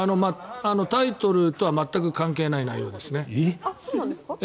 タイトルとは全く関係ない内容です。